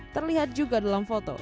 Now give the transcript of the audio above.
terlihat juga dalam foto